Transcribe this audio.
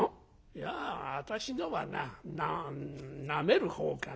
「いや私のはななめる方かな。